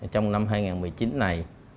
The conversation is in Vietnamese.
trong năm hai nghìn một mươi chín này